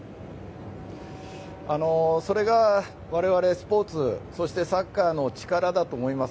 それが我々、スポーツそしてサッカーの力だと思います。